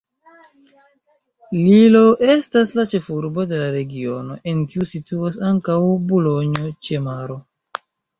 Lillo estas la ĉefurbo de la regiono, en kiu situas ankaŭ Bulonjo-ĉe-Maro.